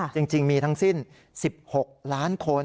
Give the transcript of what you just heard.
จริงมีทั้งสิ้น๑๖ล้านคน